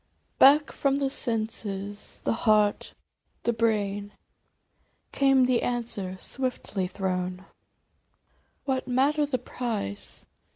" Back from the senses, the heart, the brain, Came the answer swiftly thrown, " What matter the price